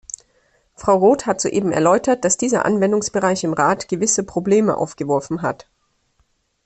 Frau Roth hat soeben erläutert, dass dieser Anwendungsbereich im Rat gewisse Probleme aufgeworfen hat.